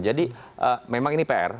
jadi memang ini pr